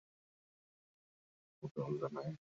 মাঝারি উচ্চতা, বাদামী চুল, সহৃদয়, কঠোর আর মোটেই রোগা নয়।